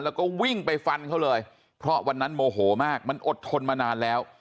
แล้วก็วิ่งไปฟันเขาเลยเพราะวันนั้นโมโหมากมันอดทนมานานแล้ว